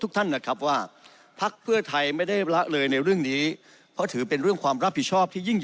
ท่านนะครับว่าพักเพื่อไทยไม่ได้ละเลยในเรื่องนี้เพราะถือเป็นเรื่องความรับผิดชอบที่ยิ่ง